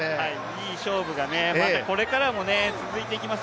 いい勝負が、またこれからも続いていきます。